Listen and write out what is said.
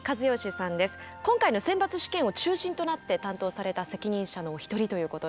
今回の選抜試験を中心となって担当された責任者のお一人ということで。